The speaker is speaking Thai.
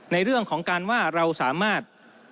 ในเรื่องของการว่าเราสามารถ